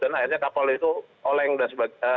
dan akhirnya kapal itu oleng dan sebagainya